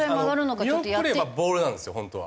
見送ればボールなんですよ本当は。